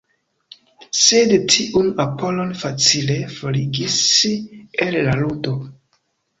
Sed tiun Apolono facile forigis el la ludo.